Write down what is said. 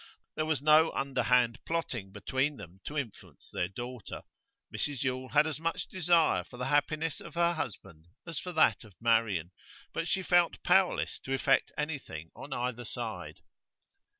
There was no underhand plotting between them to influence their daughter; Mrs Yule had as much desire for the happiness of her husband as for that of Marian, but she felt powerless to effect anything on either side.